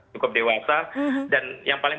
cukup dewasa dan yang paling